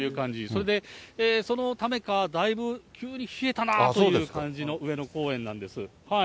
それでそのためか、だいぶ、急に冷えたなという感じの上野公園なんです。